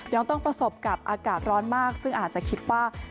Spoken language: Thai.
ยังต้องประสบกับอากาศร้อนมากซึ่งอาจจะคิดว่า